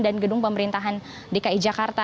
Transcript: dan gedung pemerintahan dki jakarta